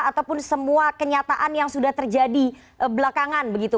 ataupun semua kenyataan yang sudah terjadi belakangan begitu